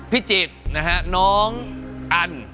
พิจิตรนะฮะน้องอัน